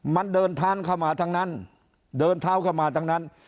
มันเดินท้านเข้ามาทั้งนั้นเดินเท้าเข้ามาทั้งนั้น